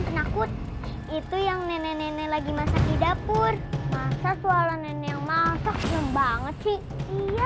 takut itu yang nenek nenek lagi masak di dapur masa suara nenek yang masak serem banget sih iya